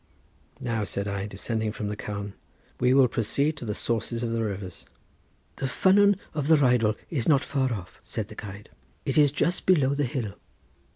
"Now," said I, descending from the carn, "we will proceed to the sources of the rivers." "The ffynnon of the Rheidol is not far off," said the guide; "it is just below the hill."